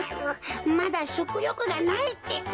まだしょくよくがないってか。